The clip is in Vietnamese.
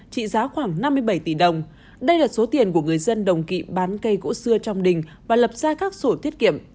trị giá khoảng năm mươi bảy tỷ đồng đây là số tiền của người dân đồng kỵ bán cây gỗ xưa trong đình và lập ra các sổ tiết kiệm